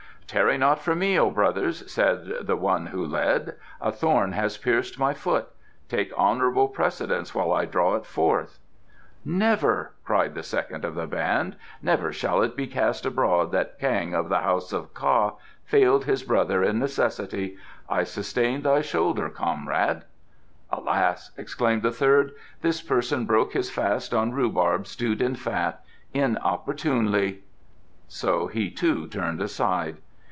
"Tarry not for me, O brothers," said the one who led. "A thorn has pierced my foot. Take honourable precedence while I draw it forth." "Never," declared the second of the band, "never shall it be cast abroad that Kang of the House of Ka failed his brother in necessity. I sustain thy shoulder, comrade." "Alas!" exclaimed the third. "This person broke his fast on rhubarb stewed in fat. Inopportunely " So he too turned aside.